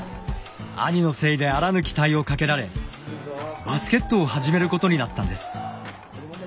兄のせいであらぬ期待をかけられバスケットを始めることになったんです。